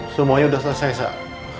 semuanya udah selesai sak